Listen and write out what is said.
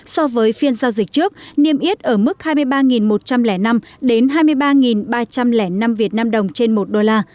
so với phiên giao dịch trước niêm yết ở mức hai mươi ba một trăm linh năm đến hai mươi ba ba trăm linh năm việt nam đồng trên một đô la